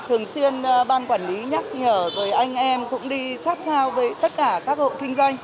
thường xuyên ban quản lý nhắc nhở với anh em cũng đi sát sao với tất cả các hộ kinh doanh